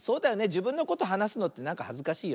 じぶんのことはなすのってなんかはずかしいよね。